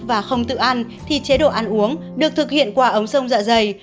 và không tự ăn thì chế độ ăn uống được thực hiện qua ống sông dạ dày